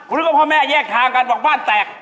เรียกว่าพ่อแม่แยกทางกันบอกบ้านแตก